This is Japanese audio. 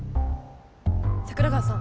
桜川さん